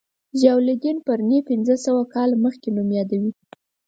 ضیاءالدین برني پنځه سوه کاله مخکې نوم یادوي.